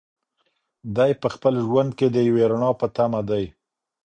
دی په خپل ژوند کې د یوې رڼا په تمه دی.